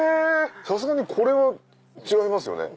さすがにこれは違いますよね。